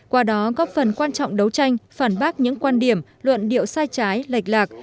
qua đó góp phần quan trọng đấu tranh phản bác những quan điểm luận điệu sai trái lệch lạc